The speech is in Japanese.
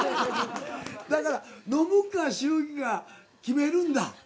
だから飲むか祝儀か決めるんだ。